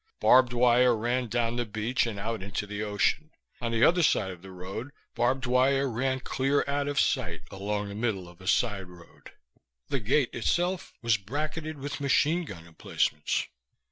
Barbed wire ran down the beach and out into the ocean; on the other side of the road, barbed wire ran clear out of sight along the middle of a side road. The gate itself was bracketed with machine gun emplacements.